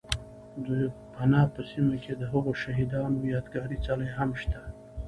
، د پنه په سیمه کې دهغو شهید انو یاد گاري څلی هم شته